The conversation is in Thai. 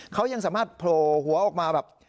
เขายังสามารถโผล่หัวออกมาแบบ